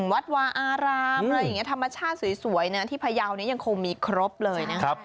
วัดวาอารามอะไรอย่างนี้ธรรมชาติสวยนะที่พยาวนี้ยังคงมีครบเลยนะครับ